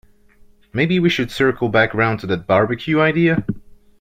Maybe we should circle back round to that barbecue idea?